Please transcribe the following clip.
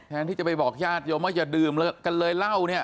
แทนที่จะไปบอกญาติโยมก็จะดื่มกันเลยเหล้า